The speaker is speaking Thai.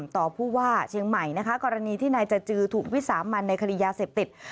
ต่อผู้ว่าเชียงใหม่นะคะกรณีที่นายจจือถูกวิสามันในฆาตกรรมเกิดเหตุ